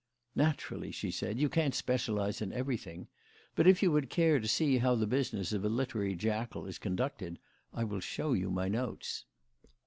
"Naturally," she said. "You can't specialise in everything. But if you would care to see how the business of a literary jackal is conducted, I will show you my notes."